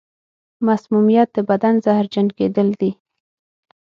مسمومیت د بدن زهرجن کېدل دي.